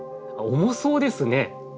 重そうですね！